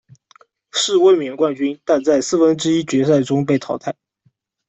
是卫冕冠军，但在四分之一决赛中被淘汰。